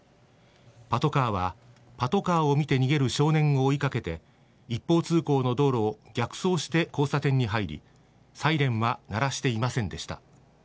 パトカーはパトカーを見て逃げる少年を追いかけて、一方通行の道路を逆走して交差点に入り、サイレンは鳴らしていませんでした。